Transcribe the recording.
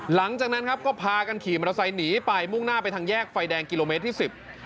หลังจากนั้นครับก็พากันขี่มอเตอร์ไซค์หนีไปมุ่งหน้าไปทางแยกไฟแดงกิโลเมตรที่สิบ